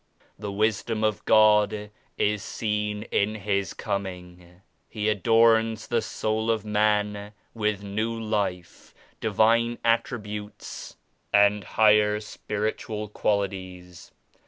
The Wisdom of God is seen in His Coming. He adorns the soul of man with new Life, Divine Attributes and higher Spiritual qualities.